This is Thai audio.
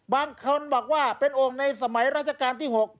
บางคนบอกว่าเป็นองค์ในสมัยราชการที่๖